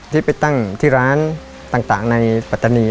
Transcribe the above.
ที่ไปตั้งที่ร้านต่างในปัตตานี